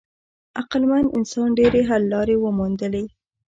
عقلمن انسان ډېرې حل لارې وموندلې.